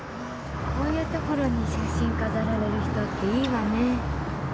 こういうところに写真飾られる人っていいわね。